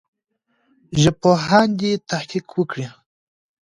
ژبپوهان دي تحقیق وکړي.